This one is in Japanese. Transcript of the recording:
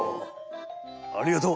ありがとう！